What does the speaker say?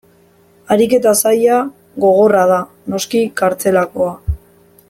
Ariketa zaila, gogorra da, noski, kartzelakoa.